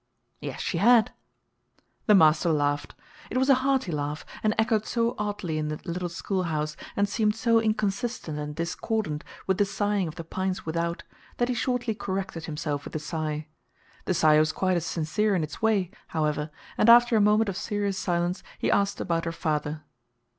Yes, she had. The master laughed. It was a hearty laugh, and echoed so oddly in the little schoolhouse, and seemed so inconsistent and discordant with the sighing of the pines without, that he shortly corrected himself with a sigh. The sigh was quite as sincere in its way, however, and after a moment of serious silence he asked about her father.